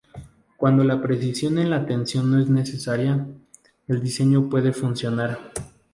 Cuando la precisión en la tensión no es necesaria, el diseño puede funcionar.